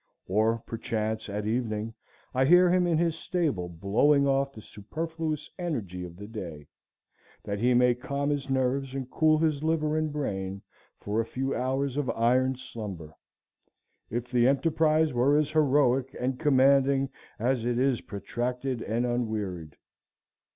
Or perchance, at evening, I hear him in his stable blowing off the superfluous energy of the day, that he may calm his nerves and cool his liver and brain for a few hours of iron slumber. If the enterprise were as heroic and commanding as it is protracted and unwearied!